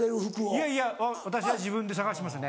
いやいや私は自分で探しますね。